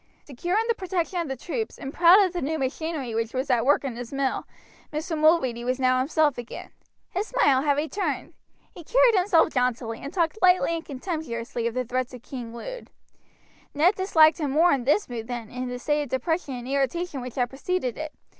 Secure in the protection of the troops, and proud of the new machinery which was at work in his mill, Mr. Mulready was now himself again. His smile had returned. He carried himself jauntily, and talked lightly and contemptuously of the threats of King Lud. Ned disliked him more in this mood than in the state of depression and irritation which had preceded it.